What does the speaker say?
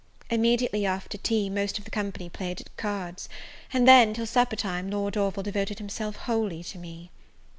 Immediately after tea, most of the company played at cards, and then till supper time, Lord Orville devoted himself wholly to me.